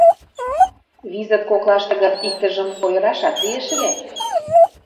Визыт коклаште гын, иктыжым ойырашат лиеш ыле.